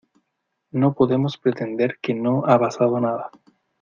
No podemos pretender que no ha pasado nada.